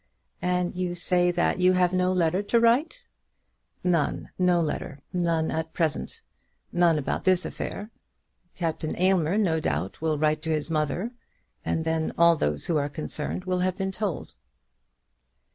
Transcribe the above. "And you say that you have no letter to write." "None; no letter; none at present; none about this affair. Captain Aylmer, no doubt, will write to his mother, and then all those who are concerned will have been told."